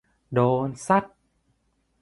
โดนซัด